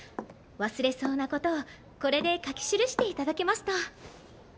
忘れそうなことをこれで書き記していただけますと。